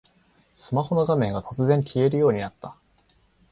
スマホの画面が突然消えるようになった